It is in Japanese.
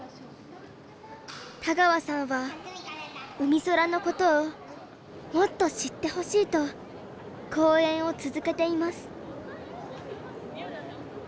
田川さんはうみそらのことをもっと知ってほしいと講演を続けています。